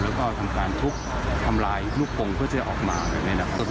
แล้วก็ทำการทุกข์ทำลายลูกกลงคือจะออกมา